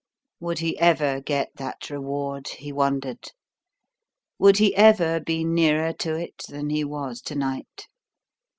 Would he ever get that reward? he wondered. Would he ever be nearer to it than he was to night?